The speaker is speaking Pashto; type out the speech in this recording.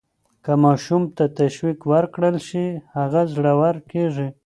که ماشوم ته تشویق ورکړل شي، هغه زړور کیږي.